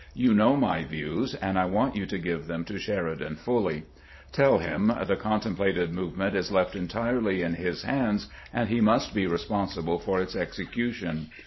You know my views, and I want you to give them to Sheridan fully. Tell him the contemplated movement is left entirely in his hands, and he must be responsible for its execution.